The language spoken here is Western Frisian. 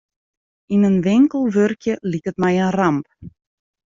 Yn in winkel wurkje liket my in ramp.